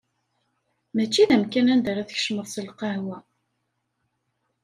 Mačči d amkan anda ara tkecmeḍ s lqahwa.